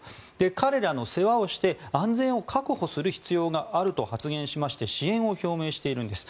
彼らの世話をして安全を確保する必要があると発言しまして支援を表明しているんです。